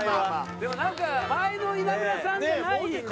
でもなんか前の稲村さんじゃないんだよな。